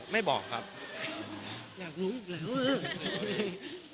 ในหรือนอกวงการครับไม่บอกครับ